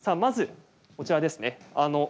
さあ、まず、こちらですね。